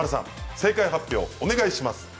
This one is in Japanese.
正解発表、お願いします。